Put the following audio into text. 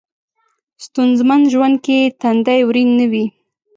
ستونځمن ژوند کې تندی ورین نه وي.